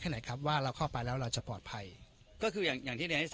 ไหนครับว่าเราเข้าไปแล้วเราจะปลอดภัยก็คืออย่างอย่างที่เรียนให้